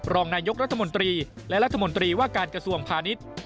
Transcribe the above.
รองนายกรัฐมนตรีและรัฐมนตรีว่าการกระทรวงพาณิชย์